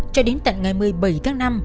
cho đến tận ngày một mươi bảy tháng năm